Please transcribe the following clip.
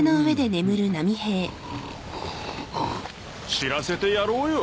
知らせてやろうよ。